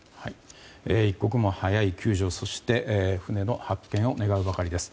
一刻も早い救助そして、船の発見を願うばかりです。